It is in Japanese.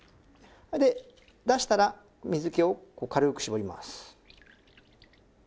で出したら水気をこう軽く絞ります。